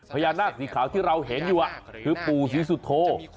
พญานาคสีขาวที่เราเห็นอยู่คือปู่ศรีสุโธ